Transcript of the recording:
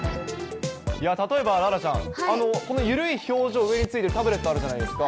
例えば楽々ちゃん、この緩い表情、上についてるタブレットあるじゃないですか。